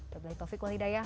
berbicara taufik walidaya